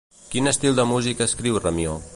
Quin estil de música escriu Ramió?